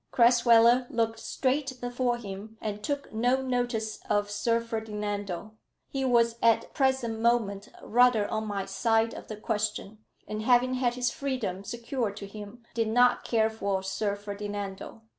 Crasweller looked straight before him, and took no notice of Sir Ferdinando. He was at the present moment rather on my side of the question, and having had his freedom secured to him, did not care for Sir Ferdinando.